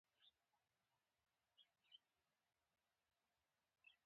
جیني کویفشینټ احصایوي انحرافاتو ته حساس دی.